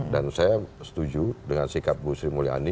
dan saya setuju dengan sikap bu sri mulyani